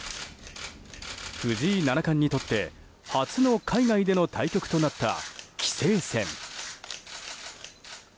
藤井七冠にとって初の海外での対局となった棋聖戦。